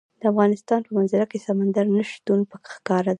د افغانستان په منظره کې سمندر نه شتون ښکاره ده.